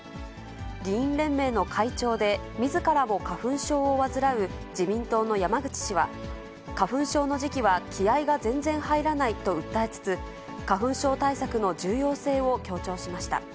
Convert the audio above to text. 議員連盟の会長で、みずからも花粉症を患う自民党の山口氏は、花粉症の時期は気合いが全然入らないと訴えつつ、花粉症対策の重要性を強調しました。